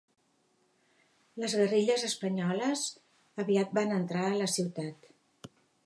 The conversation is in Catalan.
Les guerrilles espanyoles aviat van entrar a la ciutat.